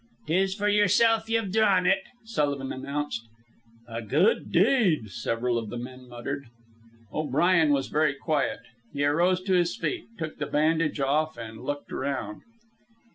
"'Tis for yourself ye've drawn it," Sullivan announced. "A good deed," several of the men muttered. O'Brien was very quiet. He arose to his feet, took the bandage off, and looked around.